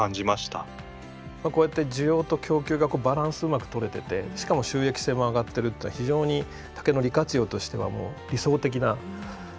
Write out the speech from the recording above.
こうやって需要と供給がバランスうまくとれててしかも収益性も上がってるってのは非常に竹の利活用としては理想的な感じです。